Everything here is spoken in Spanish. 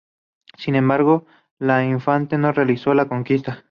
Sin embargo, el infante no realizó la conquista.